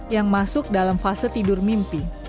yang masuk dalam fase tidur mimpi